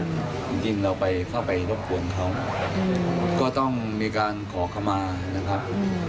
จริงเราไปเข้าไปรบกวนเขาก็ต้องมีการขอเข้ามานะครับ